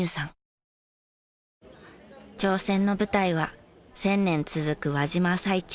挑戦の舞台は１０００年続く輪島朝市。